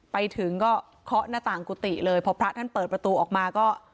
ไปถึงก็เคาะหน้าต่างกุฏิเลยพอพระท่านเปิดประตูออกมาก็